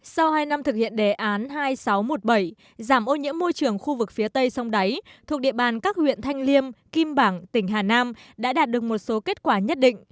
sau hai năm thực hiện đề án hai nghìn sáu trăm một mươi bảy giảm ô nhiễm môi trường khu vực phía tây sông đáy thuộc địa bàn các huyện thanh liêm kim bảng tỉnh hà nam đã đạt được một số kết quả nhất định